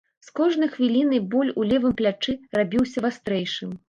З кожнай хвілінай боль у левым плячы рабіўся вастрэйшым.